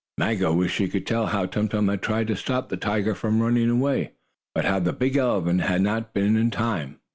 Maggo wished she could tell how Tum Tum had tried to stop the tiger from running away, but how the big elephant had not been in time.